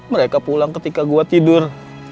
mereka pulang ketika gue tidur